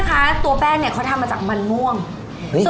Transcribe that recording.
เก๋อ่ะเหมือนเป็นรูปผสมอ่ะอันนี้